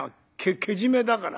けじめだから」。